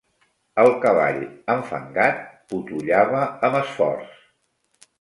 El cavall, enfangat, potollava amb esforç.